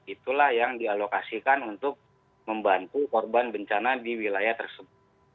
itulah yang dialokasikan untuk membantu korban bencana di wilayah tersebut